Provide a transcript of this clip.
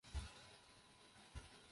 高剑父是岭南画派的创始人之一。